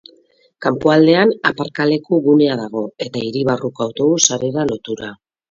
Kanpoaldean aparkaleku gunea dago, eta hiri barruko autobus sarera lotura.